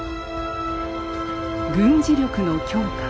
軍事力の強化。